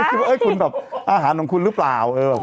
เพราะสิคุณแบบอาหารของคุณหรือเปล่า